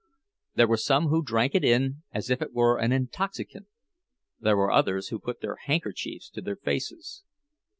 There were some who drank it in as if it were an intoxicant; there were others who put their handkerchiefs to their faces.